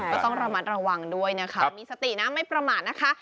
ก็ต้องระมัดระวังด้วยนะคะมีสตินะไม่ประมาทนะคะ